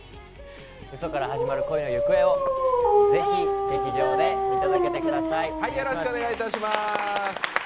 うそから始まる恋の行方をぜひ劇場で見届けてください。